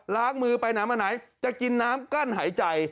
ล้างมือไปไหนมาไหนจะกินน้ำกั้นหายใจ